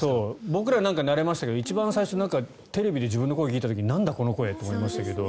僕らは慣れましたけど一番最初はテレビで自分の声を聞いた時なんだこれって思いましたけど。